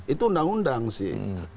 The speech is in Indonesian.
itu undang undang sih